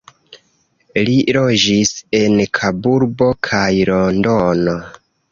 Li loĝis en Kaburbo kaj Londono.